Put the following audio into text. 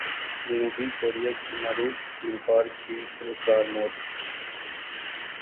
جنوبی کوریا کی معروف گلوکارہ کی پر اسرار موت